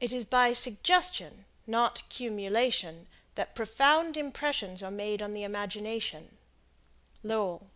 It is by suggestion, not cumulation, that profound impressions are made on the imagination. Lowell.